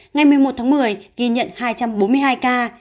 ngày một mươi một tháng một mươi ghi nhận hai trăm bốn mươi hai ca